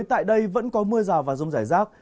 tại đây vẫn có mưa rào và rông rải rác